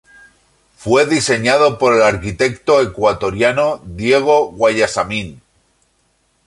Fue diseñado por el arquitecto ecuatoriano Diego Guayasamín.